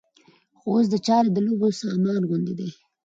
چې اوس دا چارې د لوبو سامان غوندې دي.